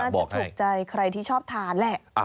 จะถูกใจใครที่ชอบทานแหละ